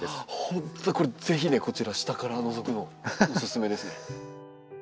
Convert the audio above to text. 本当これぜひねこちら下からのぞくのがおすすめですね。